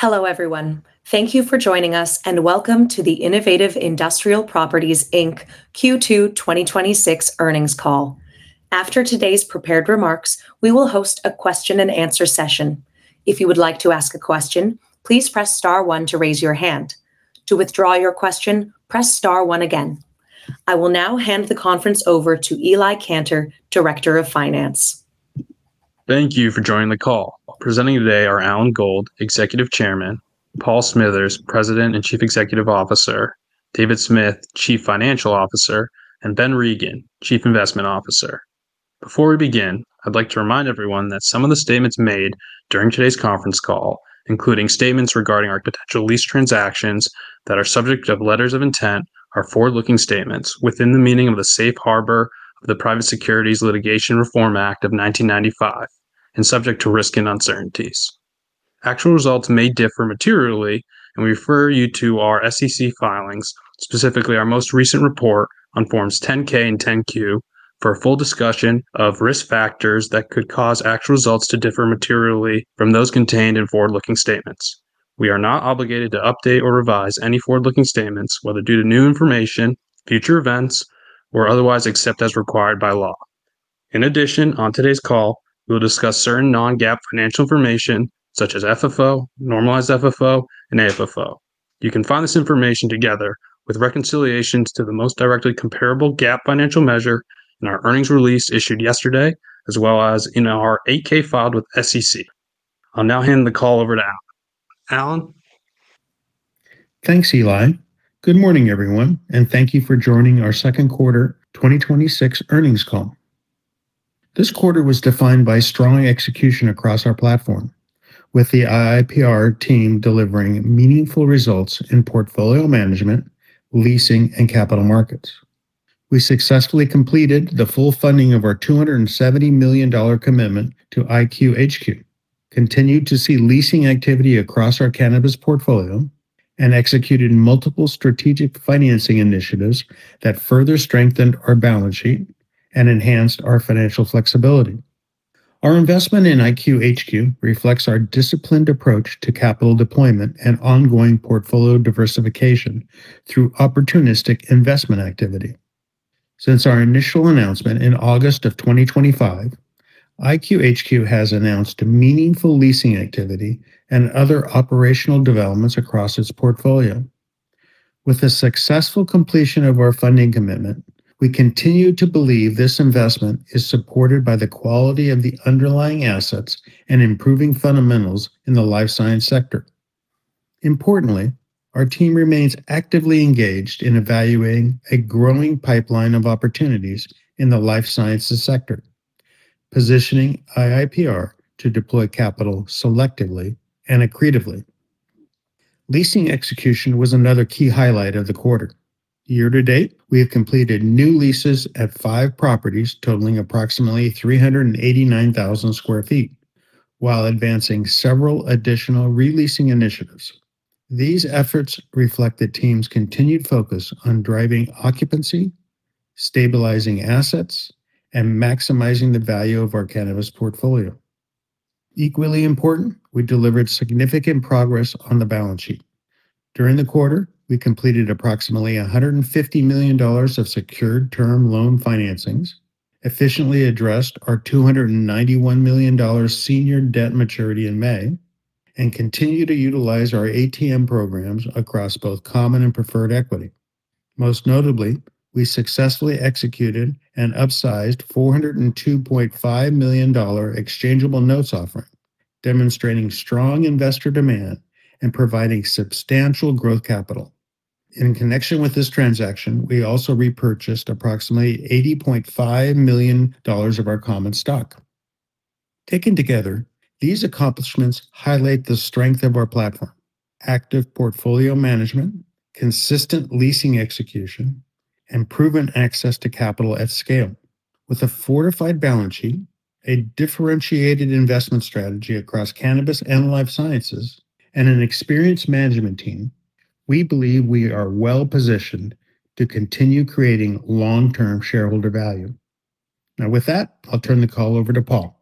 Hello, everyone. Thank you for joining us, and welcome to the Innovative Industrial Properties Inc Q2 2026 earnings call. After today's prepared remarks, we will host a question and answer session. If you would like to ask a question, please press star one to raise your hand. To withdraw your question, press star one again. I will now hand the conference over to Eli Kanter, Director of Finance. Thank you for joining the call. Presenting today are Alan Gold, Executive Chairman, Paul Smithers, President and Chief Executive Officer, David Smith, Chief Financial Officer, and Ben Regin, Chief Investment Officer. Before we begin, I'd like to remind everyone that some of the statements made during today's conference call, including statements regarding our potential lease transactions that are subject of letters of intent, are forward-looking statements within the meaning of the Safe Harbor of the Private Securities Litigation Reform Act of 1995, subject to risk and uncertainties. Actual results may differ materially. We refer you to our SEC filings, specifically our most recent report on forms 10-K and 10-Q, for a full discussion of risk factors that could cause actual results to differ materially from those contained in forward-looking statements. We are not obligated to update or revise any forward-looking statements, whether due to new information, future events, or otherwise, except as required by law. In addition, on today's call, we'll discuss certain non-GAAP financial information such as FFO, normalized FFO, and AFFO. You can find this information together with reconciliations to the most directly comparable GAAP financial measure in our earnings release issued yesterday, as well as in our 8-K filed with SEC. I'll now hand the call over to Alan. Alan? Thanks, Eli. Good morning, everyone. Thank you for joining our second quarter 2026 earnings call. This quarter was defined by strong execution across our platform, with the IIPR team delivering meaningful results in portfolio management, leasing, and capital markets. We successfully completed the full funding of our $270 million commitment to IQHQ, continued to see leasing activity across our cannabis portfolio, executed multiple strategic financing initiatives that further strengthened our balance sheet, enhanced our financial flexibility. Our investment in IQHQ reflects our disciplined approach to capital deployment, ongoing portfolio diversification through opportunistic investment activity. Since our initial announcement in August of 2025, IQHQ has announced meaningful leasing activity, other operational developments across its portfolio. With the successful completion of our funding commitment, we continue to believe this investment is supported by the quality of the underlying assets, improving fundamentals in the life science sector. Importantly, our team remains actively engaged in evaluating a growing pipeline of opportunities in the life sciences sector, positioning IIPR to deploy capital selectively and accretively. Leasing execution was another key highlight of the quarter. Year-to-date, we have completed new leases at five properties totaling approximately 389,000 sq ft while advancing several additional re-leasing initiatives. These efforts reflect the team's continued focus on driving occupancy, stabilizing assets, and maximizing the value of our cannabis portfolio. Equally important, we delivered significant progress on the balance sheet. During the quarter, we completed approximately $150 million of secured term loan financings, efficiently addressed our $291 million senior debt maturity in May, and continue to utilize our ATM programs across both common and preferred equity. Most notably, we successfully executed an upsized $402.5 million exchangeable notes offering, demonstrating strong investor demand and providing substantial growth capital. In connection with this transaction, we also repurchased approximately $80.5 million of our common stock. Taken together, these accomplishments highlight the strength of our platform: active portfolio management, consistent leasing execution, and proven access to capital at scale. With a fortified balance sheet, a differentiated investment strategy across cannabis and life sciences, and an experienced management team, we believe we are well positioned to continue creating long-term shareholder value. With that, I'll turn the call over to Paul.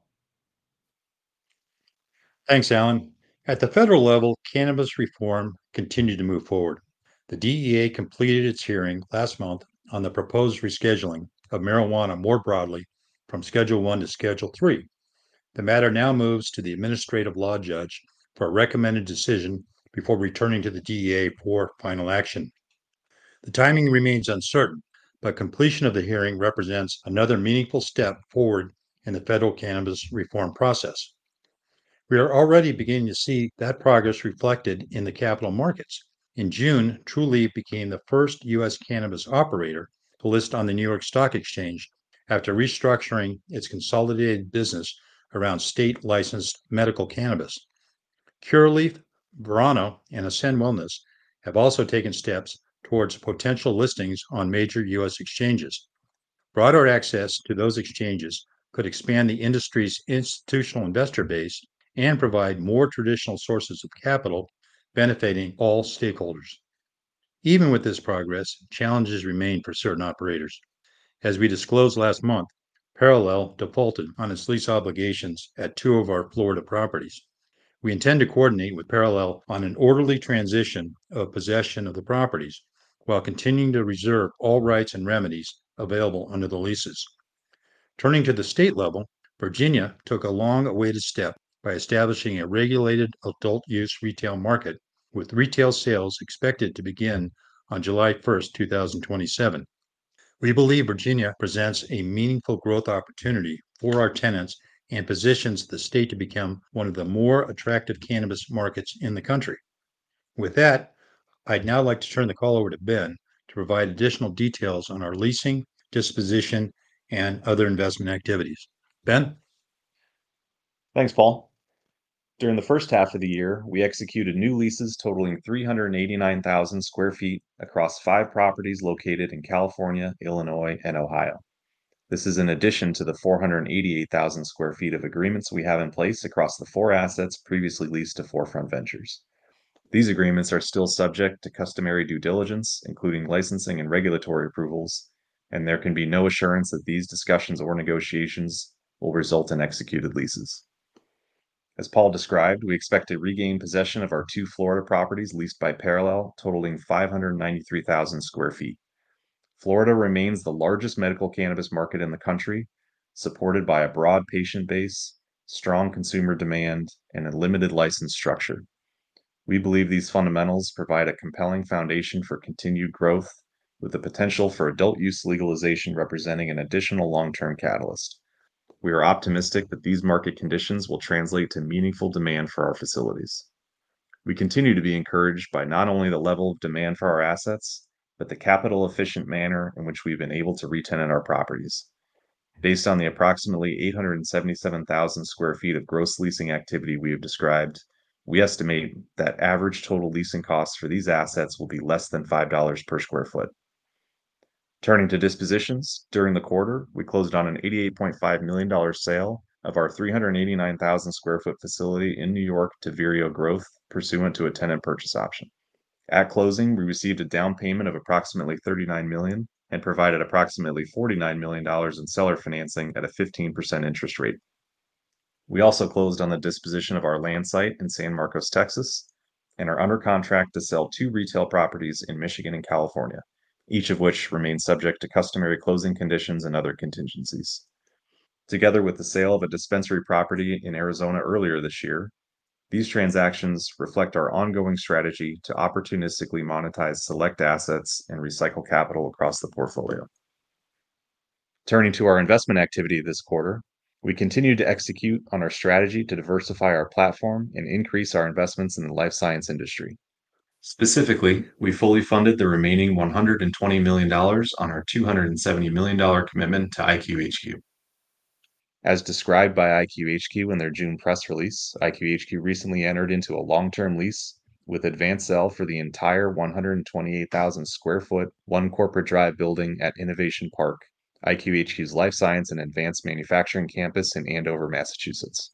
Thanks, Alan. At the federal level, cannabis reform continued to move forward. The DEA completed its hearing last month on the proposed rescheduling of marijuana more broadly from Schedule I to Schedule III. The matter now moves to the administrative law judge for a recommended decision before returning to the DEA for final action. The timing remains uncertain, but completion of the hearing represents another meaningful step forward in the federal cannabis reform process. We are already beginning to see that progress reflected in the capital markets. In June, Trulieve became the first U.S. cannabis operator to list on the New York Stock Exchange after restructuring its consolidated business around state-licensed medical cannabis. Curaleaf, Verano, and Ascend Wellness have also taken steps towards potential listings on major U.S. exchanges. Broader access to those exchanges could expand the industry's institutional investor base and provide more traditional sources of capital, benefiting all stakeholders. Even with this progress, challenges remain for certain operators. As we disclosed last month, Parallel defaulted on its lease obligations at two of our Florida properties. We intend to coordinate with Parallel on an orderly transition of possession of the properties while continuing to reserve all rights and remedies available under the leases. Turning to the state level, Virginia took a long-awaited step by establishing a regulated adult use retail market, with retail sales expected to begin on July 1st, 2027. We believe Virginia presents a meaningful growth opportunity for our tenants and positions the state to become one of the more attractive cannabis markets in the country. With that, I'd now like to turn the call over to Ben to provide additional details on our leasing, disposition, and other investment activities. Ben? Thanks, Paul. During the first half of the year, we executed new leases totaling 389,000 sq ft across five properties located in California, Illinois, and Ohio. This is in addition to the 488,000 sq ft of agreements we have in place across the four assets previously leased to 4Front Ventures. These agreements are still subject to customary due diligence, including licensing and regulatory approvals, and there can be no assurance that these discussions or negotiations will result in executed leases. As Paul described, we expect to regain possession of our two Florida properties leased by Parallel, totaling 593,000 sq ft. Florida remains the largest medical cannabis market in the country, supported by a broad patient base, strong consumer demand, and a limited license structure. We believe these fundamentals provide a compelling foundation for continued growth, with the potential for adult use legalization representing an additional long-term catalyst. We are optimistic that these market conditions will translate to meaningful demand for our facilities. We continue to be encouraged by not only the level of demand for our assets, but the capital-efficient manner in which we've been able to retenant our properties. Based on the approximately 877,000 sq ft of gross leasing activity we have described, we estimate that average total leasing costs for these assets will be less than $5 per sq ft. Turning to dispositions. During the quarter, we closed on an $88.5 million sale of our 389,000 sq ft facility in New York to Vireo Growth, pursuant to a tenant purchase option. At closing, we received a down payment of approximately $39 million and provided approximately $49 million in seller financing at a 15% interest rate. We also closed on the disposition of our land site in San Marcos, Texas, and are under contract to sell two retail properties in Michigan and California, each of which remains subject to customary closing conditions and other contingencies. Together with the sale of a dispensary property in Arizona earlier this year, these transactions reflect our ongoing strategy to opportunistically monetize select assets and recycle capital across the portfolio. Turning to our investment activity this quarter, we continue to execute on our strategy to diversify our platform and increase our investments in the life science industry. Specifically, we fully funded the remaining $120 million on our $270 million commitment to IQHQ. As described by IQHQ in their June press release, IQHQ recently entered into a long-term lease with AdvanCell for the entire 128,000 sq ft 1 Corporate Drive building at Innovation Park, IQHQ's life science and advanced manufacturing campus in Andover, Massachusetts.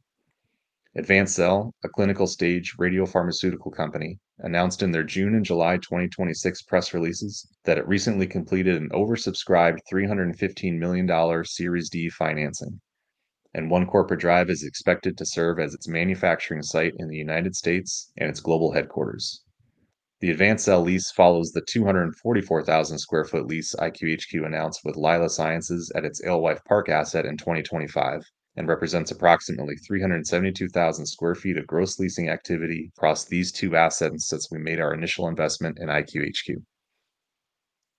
AdvanCell, a clinical-stage radiopharmaceutical company, announced in their June and July 2026 press releases that it recently completed an oversubscribed $315 million Series D financing, 1 Corporate Drive is expected to serve as its manufacturing site in the U.S. and its global headquarters. The AdvanCell lease follows the 244,000 sq ft lease IQHQ announced with Lila Sciences at its Alewife Park asset in 2025 and represents approximately 372,000 sq ft of gross leasing activity across these two assets since we made our initial investment in IQHQ.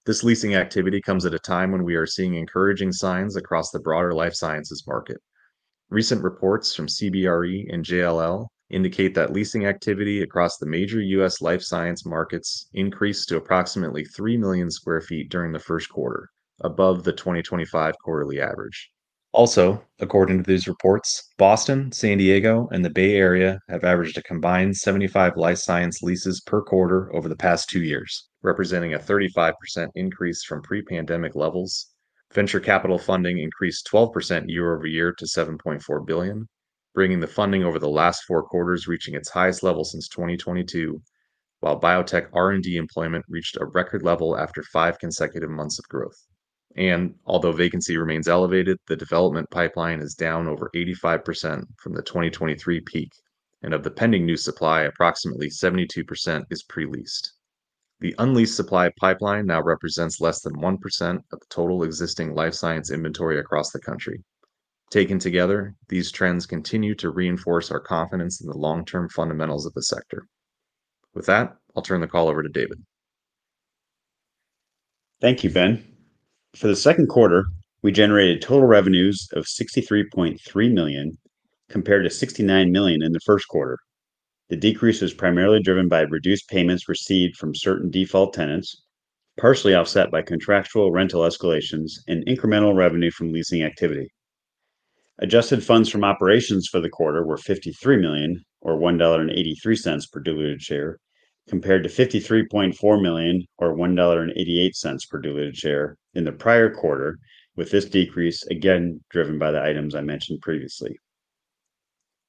This leasing activity comes at a time when we are seeing encouraging signs across the broader life sciences market. Recent reports from CBRE and JLL indicate that leasing activity across the major U.S. life science markets increased to approximately 3 million sq ft during the first quarter, above the 2025 quarterly average. Also, according to these reports, Boston, San Diego, and the Bay Area have averaged a combined 75 life science leases per quarter over the past 2 years, representing a 35% increase from pre-pandemic levels. Venture capital funding increased 12% year-over-year to $7.4 billion, bringing the funding over the last four quarters reaching its highest level since 2022. While biotech R&D employment reached a record level after five consecutive months of growth. Although vacancy remains elevated, the development pipeline is down over 85% from the 2023 peak, of the pending new supply, approximately 72% is pre-leased. The unleased supply pipeline now represents less than 1% of the total existing life science inventory across the country. Taken together, these trends continue to reinforce our confidence in the long-term fundamentals of the sector. With that, I'll turn the call over to David. Thank you, Ben. For the second quarter, we generated total revenues of $63.3 million, compared to $69 million in the first quarter. The decrease was primarily driven by reduced payments received from certain default tenants, partially offset by contractual rental escalations and incremental revenue from leasing activity. Adjusted funds from operations for the quarter were $53 million, or $1.83 per diluted share, compared to $53.4 million, or $1.88 per diluted share in the prior quarter, with this decrease, again, driven by the items I mentioned previously.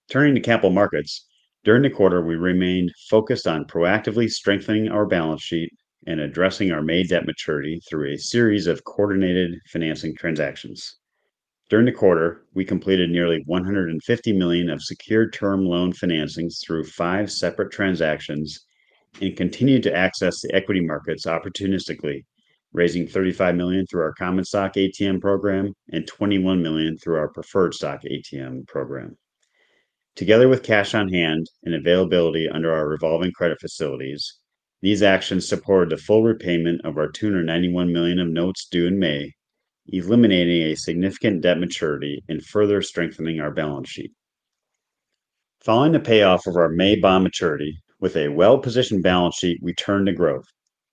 Turning to capital markets. During the quarter, we remained focused on proactively strengthening our balance sheet and addressing our May debt maturity through a series of coordinated financing transactions. During the quarter, we completed nearly $150 million of secured term loan financings through five separate transactions and continued to access the equity markets opportunistically, raising $35 million through our common stock ATM program and $21 million through our preferred stock ATM program. Together with cash on hand and availability under our revolving credit facilities, these actions supported the full repayment of our $291 million of notes due in May, eliminating a significant debt maturity and further strengthening our balance sheet. Following the payoff of our May bond maturity, with a well-positioned balance sheet, we turned to growth.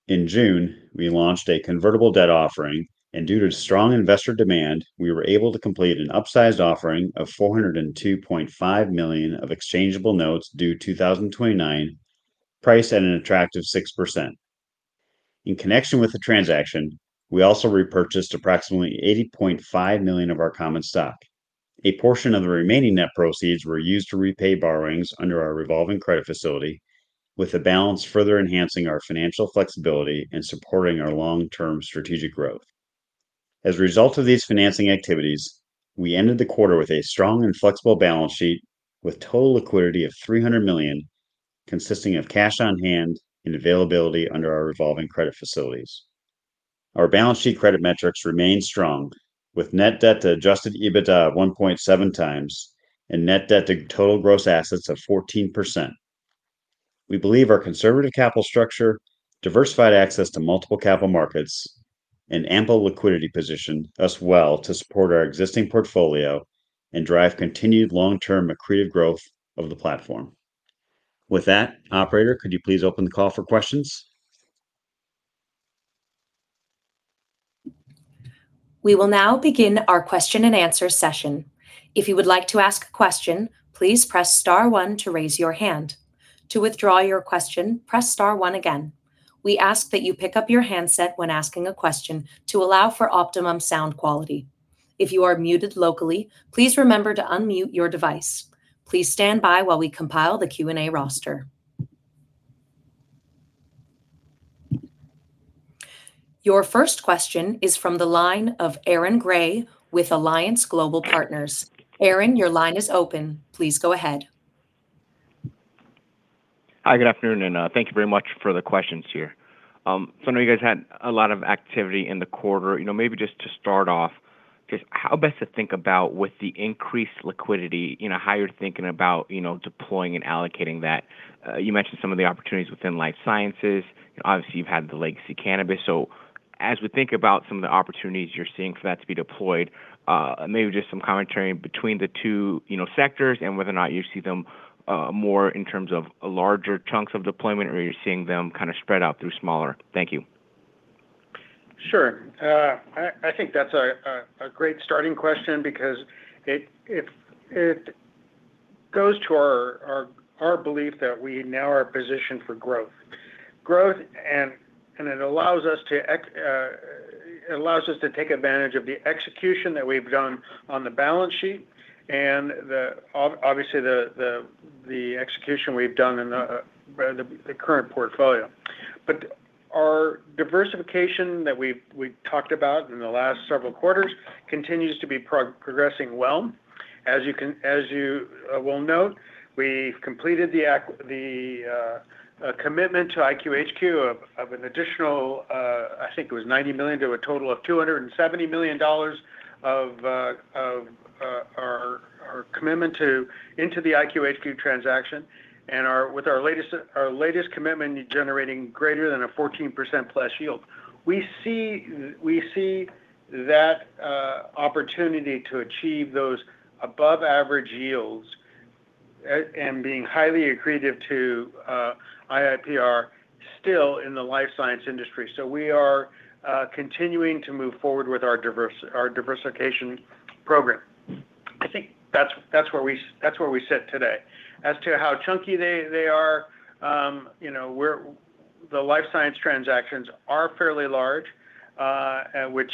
In June, we launched a convertible debt offering. Due to strong investor demand, we were able to complete an upsized offering of $402.5 million of exchangeable notes due 2029, priced at an attractive 6%. In connection with the transaction, we also repurchased approximately $80.5 million of our common stock. A portion of the remaining net proceeds were used to repay borrowings under our revolving credit facility, with the balance further enhancing our financial flexibility and supporting our long-term strategic growth. As a result of these financing activities, we ended the quarter with a strong and flexible balance sheet with total liquidity of $300 million, consisting of cash on hand and availability under our revolving credit facilities. Our balance sheet credit metrics remain strong, with net debt to adjusted EBITDA of 1.7x and net debt to total gross assets of 14%. We believe our conservative capital structure, diversified access to multiple capital markets, and ample liquidity position us well to support our existing portfolio and drive continued long-term accretive growth of the platform. With that, operator, could you please open the call for questions? We will now begin our question-and-answer session. If you would like to ask a question, please press star one to raise your hand. To withdraw your question, press star one again. We ask that you pick up your handset when asking a question to allow for optimum sound quality. If you are muted locally, please remember to unmute your device. Please stand by while we compile the Q&A roster. Your first question is from the line of Aaron Grey with Alliance Global Partners. Aaron, your line is open. Please go ahead. Hi, good afternoon. Thank you very much for the questions here. I know you guys had a lot of activity in the quarter. Maybe just to start off, just how best to think about with the increased liquidity, how you're thinking about deploying and allocating that. You mentioned some of the opportunities within life sciences. You've had the legacy cannabis. As we think about some of the opportunities you're seeing for that to be deployed, maybe just some commentary between the two sectors and whether or not you see them more in terms of larger chunks of deployment or you're seeing them kind of spread out through smaller. Thank you. Sure. I think that's a great starting question because it goes to our belief that we now are positioned for growth. It allows us to take advantage of the execution that we've done on the balance sheet and obviously the execution we've done in the current portfolio. Our diversification that we've talked about in the last several quarters continues to be progressing well. As you will note, we've completed the commitment to IQHQ of an additional, I think it was $90 million to a total of $270 million of our commitment into the IQHQ transaction. With our latest commitment generating greater than a 14%+ yield. We see that opportunity to achieve those above average yields and being highly accretive to IIPR still in the life science industry. We are continuing to move forward with our diversification program. I think that's where we sit today. As to how chunky they are, the life science transactions are fairly large, which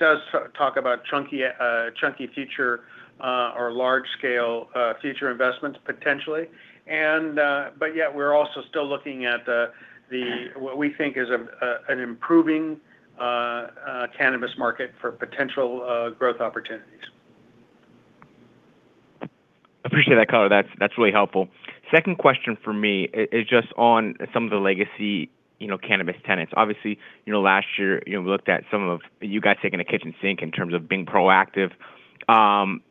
does talk about chunky future or large-scale future investments potentially. Yet we're also still looking at what we think is an improving cannabis market for potential growth opportunities. Appreciate that color. That's really helpful. Second question for me is just on some of the legacy cannabis tenants. Obviously, last year, we looked at some of you guys taking the kitchen sink in terms of being proactive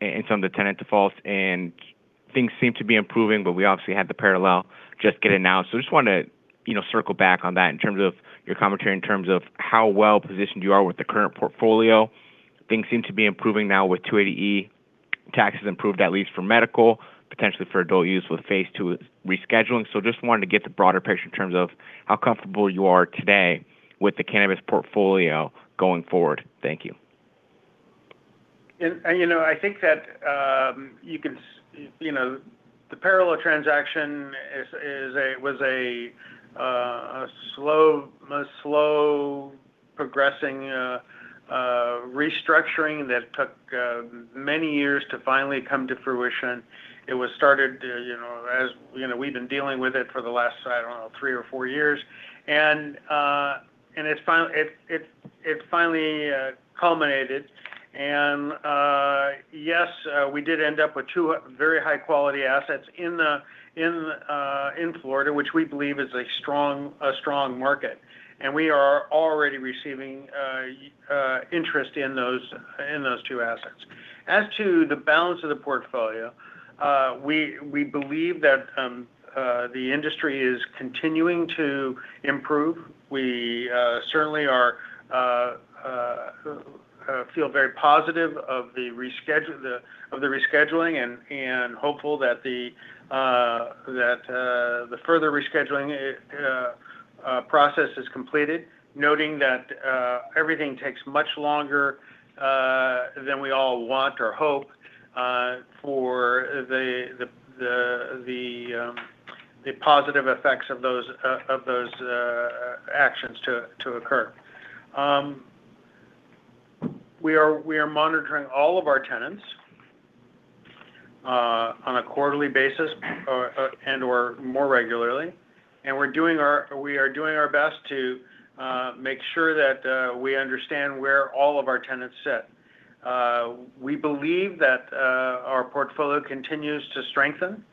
in some of the tenant defaults, and things seem to be improving, but we obviously had the Parallel just get in now. Just want to circle back on that in terms of your commentary in terms of how well-positioned you are with the current portfolio. Things seem to be improving now with Section 280E taxes improved, at least for medical, potentially for adult use with phase II rescheduling. Just wanted to get the broader picture in terms of how comfortable you are today with the cannabis portfolio going forward. Thank you. I think that the Parallel transaction was a slow progressing restructuring that took many years to finally come to fruition. It was started, we've been dealing with it for the last, I don't know, three or four years. It finally culminated. Yes, we did end up with two very high-quality assets in Florida, which we believe is a strong market. We are already receiving interest in those two assets. As to the balance of the portfolio, we believe that the industry is continuing to improve. We certainly feel very positive of the rescheduling, and hopeful that the further rescheduling process is completed, noting that everything takes much longer than we all want or hope for the positive effects of those actions to occur. We are monitoring all of our tenants on a quarterly basis or more regularly, and we are doing our best to make sure that we understand where all of our tenants sit. We believe that our portfolio continues to strengthen,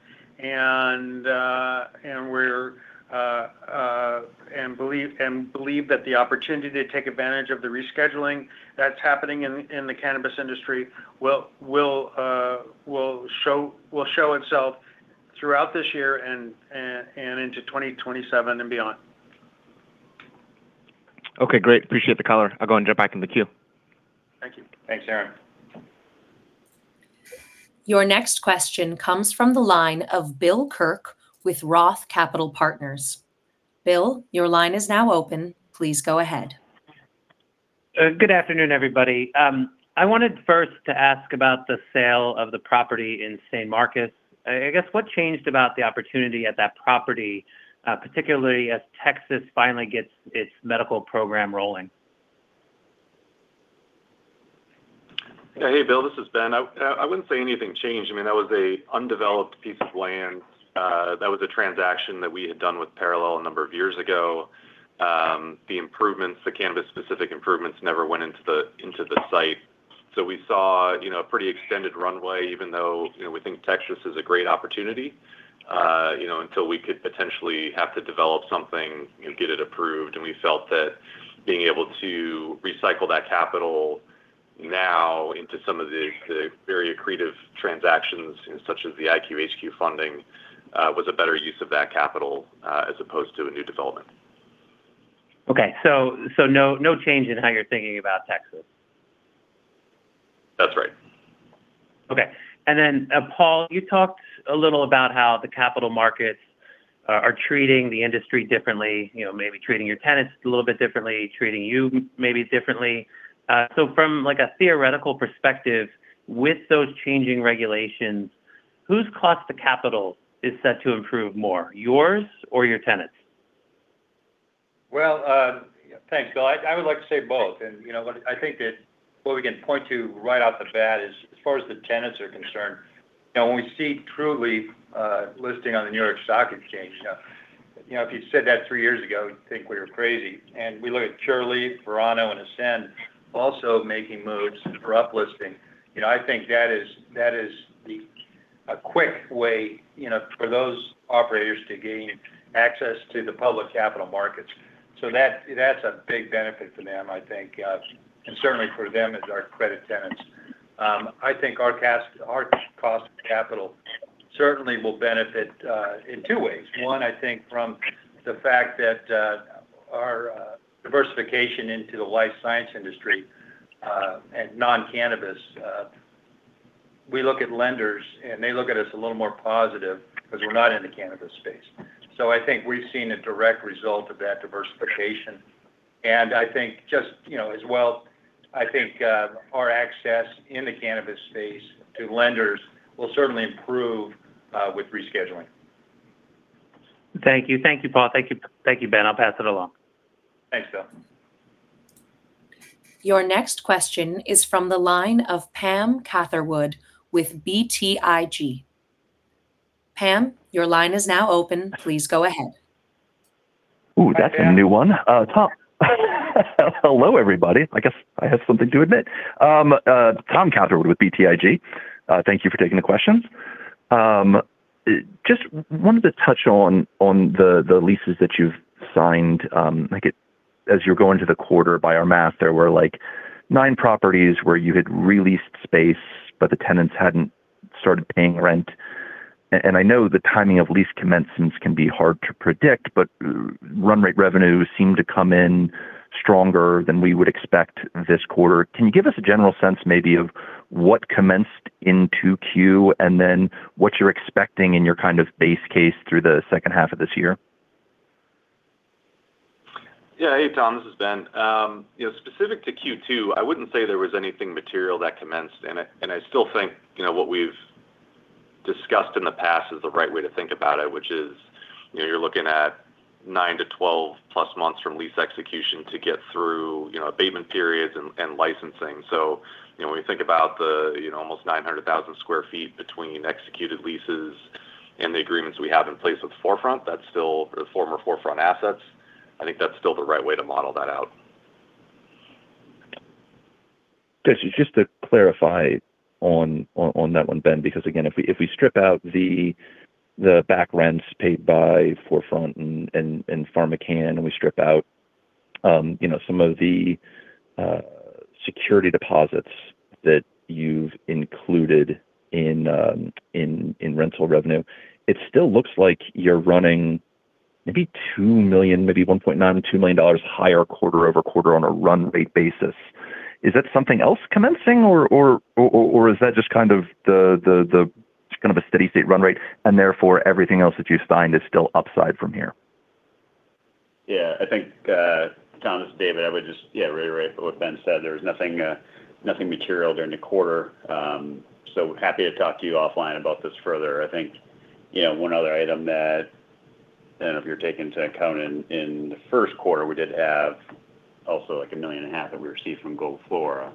and believe that the opportunity to take advantage of the rescheduling that's happening in the cannabis industry will show itself throughout this year and into 2027, and beyond. Okay, great. Appreciate the color. I'll go and jump back in the queue. Thank you. Thanks, Aaron. Your next question comes from the line of Bill Kirk with Roth Capital Partners. Bill, your line is now open. Please go ahead. Good afternoon, everybody. I wanted first to ask about the sale of the property in San Marcos. I guess, what changed about the opportunity at that property, particularly as Texas finally gets its medical program rolling? Yeah. Hey, Bill. This is Ben. I wouldn't say anything changed. That was a undeveloped piece of land. That was a transaction that we had done with Parallel a number of years ago. The improvements, the cannabis specific improvements, never went into the site. We saw a pretty extended runway, even though we think Texas is a great opportunity, until we could potentially have to develop something and get it approved. We felt that being able to recycle that capital now into some of the very accretive transactions, such as the IQHQ funding, was a better use of that capital, as opposed to a new development. Okay. No change in how you're thinking about Texas? That's right. Okay. Paul, you talked a little about how the capital markets are treating the industry differently, maybe treating your tenants a little bit differently, treating you maybe differently. From a theoretical perspective, with those changing regulations, whose cost to capital is set to improve more, yours or your tenants? Well, thanks, Bill. I would like to say both. I think that what we can point to right off the bat is, as far as the tenants are concerned, when we see Trulieve listing on the New York Stock Exchange. Now, if you said that three years ago, you'd think we were crazy. We look at Curaleaf, Verano, and Ascend also making moves for uplisting. I think that is a quick way for those operators to gain access to the public capital markets. That's a big benefit for them, I think, and certainly for them as our credit tenants. I think our cost of capital certainly will benefit in two ways. One, I think from the fact that our diversification into the life science industry and non-cannabis. We look at lenders, and they look at us a little more positive because we're not in the cannabis space. I think we've seen a direct result of that diversification, and I think just as well, I think our access in the cannabis space to lenders will certainly improve with rescheduling. Thank you. Thank you, Paul. Thank you, Ben. I'll pass it along. Thanks, Bill. Your next question is from the line of Tom Catherwood with BTIG. Tom, your line is now open. Please go ahead. Ooh, that's a new one. Tom. Hello, everybody. I guess I have something to admit. Tom Catherwood with BTIG. Thank you for taking the questions. Just wanted to touch on the leases that you've signed. As you're going through the quarter, by our math, there were nine properties where you had re-leased space, but the tenants hadn't started paying rent. I know the timing of lease commencements can be hard to predict, but run rate revenues seem to come in stronger than we would expect this quarter. Can you give us a general sense maybe of what commenced in 2Q, and then what you're expecting in your base case through the second half of this year? Yeah. Hey, Tom. This is Ben. Specific to 2Q, I wouldn't say there was anything material that commenced in it, and I still think what we've discussed in the past is the right way to think about it, which is you're looking at 9-12+ months from lease execution to get through abatement periods and licensing. When we think about the almost 900,000 sq ft between executed leases and the agreements we have in place with 4Front, the former 4Front assets, I think that's still the right way to model that out. Just to clarify on that one, Ben, because again, if we strip out the back rents paid by 4Front and PharmaCann, and we strip out some of the security deposits that you've included in rental revenue, it still looks like you're running maybe $2 million, maybe $1.9 million-$2 million higher quarter-over-quarter on a run rate basis. Is that something else commencing, or is that just the steady state run rate and therefore everything else that you've signed is still upside from here? Yeah, I think, Tom, is David, I would just reiterate what Ben said. There was nothing material during the quarter. Happy to talk to you offline about this further. I think one other item that, I don't know if you're taking into account, in the first quarter, we did have also a million and a half that we received from Gold Flora.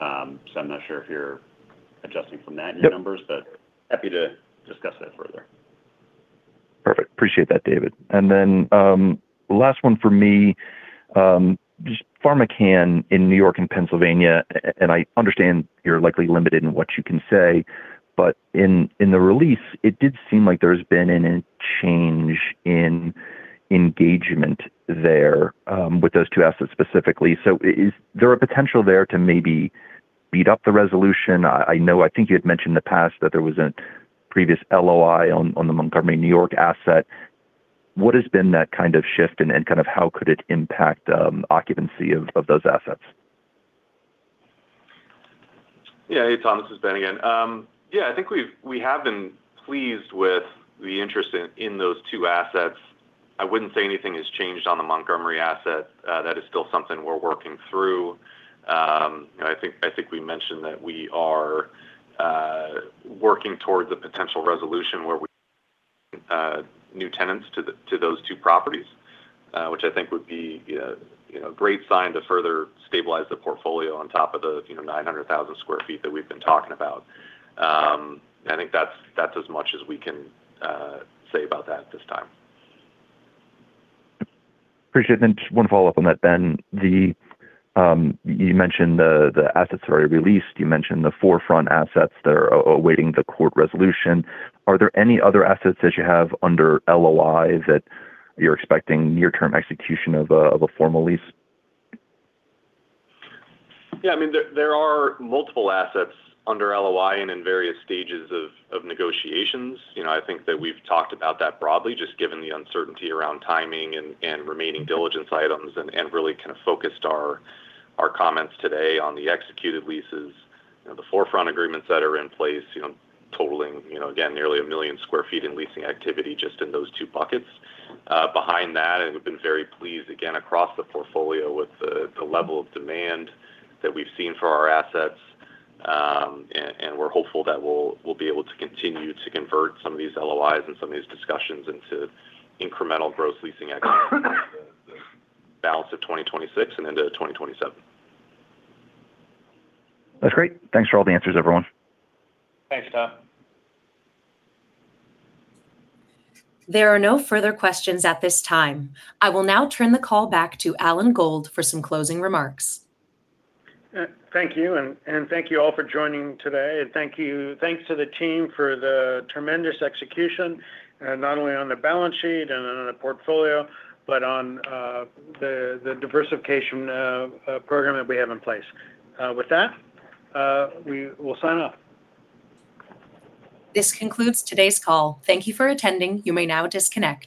I'm not sure if you're adjusting from that in your numbers- Yep. ...happy to discuss that further. Perfect. Appreciate that, David. Then last one from me. PharmaCann in New York and Pennsylvania, I understand you're likely limited in what you can say, in the release, it did seem like there's been a change in engagement there with those two assets specifically. Is there a potential there to maybe speed up the resolution? I think you had mentioned in the past that there was a previous LOI on the Montgomery, New York asset. What has been that kind of shift and kind of how could it impact occupancy of those assets? Hey, Tom, this is Ben again. I think we have been pleased with the interest in those two assets. I wouldn't say anything has changed on the Montgomery asset. That is still something we're working through. I think we mentioned that we are working towards a potential resolution where we new tenants to those two properties, which I think would be a great sign to further stabilize the portfolio on top of the 900,000 sq ft that we've been talking about. I think that's as much as we can say about that at this time. Appreciate it. Just one follow-up on that, Ben. You mentioned the assets that are already leased. You mentioned the 4Front assets that are awaiting the court resolution. Are there any other assets that you have under LOI that you're expecting near-term execution of a formal lease? I mean, there are multiple assets under LOI and in various stages of negotiations. I think that we've talked about that broadly, just given the uncertainty around timing and remaining diligence items, and really kind of focused our comments today on the executed leases the 4Front agreements that are in place, totaling again, nearly 1 million sq ft in leasing activity just in those two buckets. Behind that, we've been very pleased, again, across the portfolio with the level of demand that we've seen for our assets. We're hopeful that we'll be able to continue to convert some of these LOIs and some of these discussions into incremental gross leasing activity for the balance of 2026 and into 2027. That's great. Thanks for all the answers, everyone. Thanks, Tom. There are no further questions at this time. I will now turn the call back to Alan Gold for some closing remarks. Thank you, and thank you all for joining today. Thanks to the team for the tremendous execution, not only on the balance sheet and on the portfolio, but on the diversification program that we have in place. With that, we will sign off. This concludes today's call. Thank you for attending. You may now disconnect.